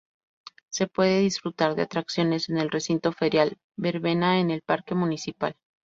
Se puede disfrutar de atracciones en el recinto ferial, verbena en el Parque Municipal.